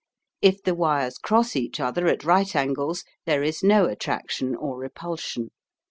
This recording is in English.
If the wires cross each other at right angles there is no attraction or repulsion.